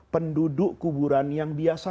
penduduk kuburan yang biasa